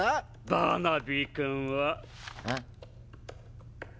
バーナビー君は。え？